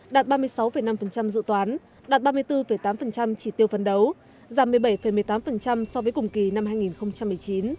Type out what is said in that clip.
đạt ba mươi sáu năm dự toán đạt ba mươi bốn tám chỉ tiêu phấn đấu giảm một mươi bảy một mươi tám so với cùng kỳ năm hai nghìn một mươi chín